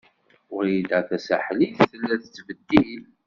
Wrida Tasaḥlit tella tettbeddil.